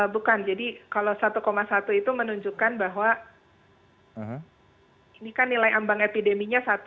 bukan jadi kalau satu satu itu menunjukkan bahwa ini kan nilai ambang epideminya satu